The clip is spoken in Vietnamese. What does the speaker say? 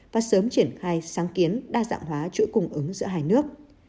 và sớm triển khai sáng kiến đa dạng hóa chuỗi cung ứng giữa hai nước